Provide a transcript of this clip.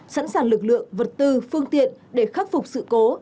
sẵn sàng lực lượng vật tư phương tiện để khắc phục sự cố